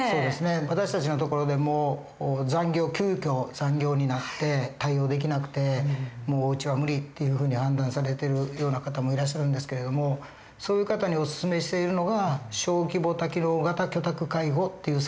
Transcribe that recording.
私たちのところでも急きょ残業になって対応できなくて「もううちは無理」っていうふうに判断されてるような方もいらっしゃるんですけれどもそういう方にお薦めしているのが小規模多機能型居宅介護っていうサービスなんですね。